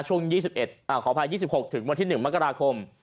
ช่วง๒๑ขออภัย๒๖ถึงวันที่๑มกราคม